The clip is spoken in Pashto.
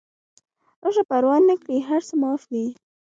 راشه پروا نکړي هر څه معاف دي